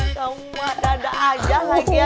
semua dada aja lagi ya